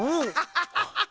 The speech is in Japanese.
ハハハハ。